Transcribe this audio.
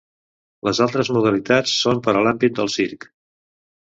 Les altres modalitats són per a l'àmbit del circ.